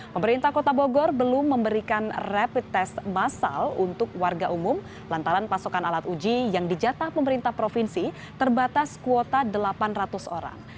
pemerintah kota bogor belum memberikan rapid test massal untuk warga umum lantaran pasokan alat uji yang dijatah pemerintah provinsi terbatas kuota delapan ratus orang